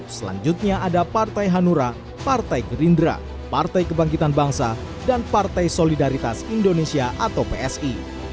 selanjutnya ada partai hanura partai gerindra partai kebangkitan bangsa dan partai solidaritas indonesia atau psi